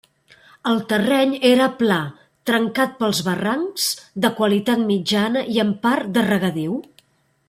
El terreny era pla, trencat pels barrancs, de qualitat mitjana i en part de regadiu.